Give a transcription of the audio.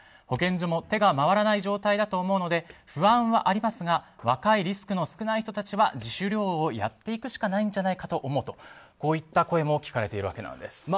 保健所も手が回らない状態だと思うので不安はありますが若いリスクの低い人たちは自主療養をやっていくしかないんじゃないかと思うとこういった声も聞かれているわけなんです。